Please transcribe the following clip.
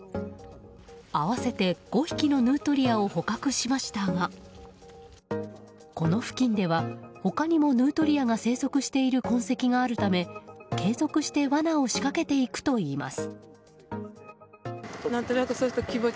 合わせて５匹のヌートリアを捕獲しましたがこの付近では他にもヌートリアが生息している痕跡があるため継続してわなを仕掛けていくといいます。